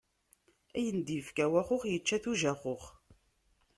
Ayen d-ifka waxux, ičča-t ujaxux.